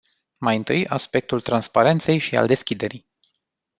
Mai întâi, aspectul transparenței și al deschiderii.